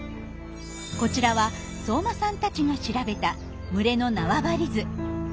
こちらは相馬さんたちが調べた群れの縄張り図。